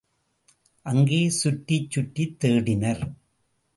அங்கே சுற்றித் சுற்றித் தேடினர்.